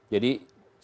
jadi sinyal menurut anda